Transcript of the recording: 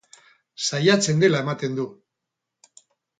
Saiatzen dela ematen du.